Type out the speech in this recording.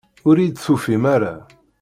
Ur iyi-d-tufim ara.